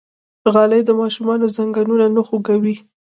غالۍ د ماشومانو زنګونونه نه خوږوي.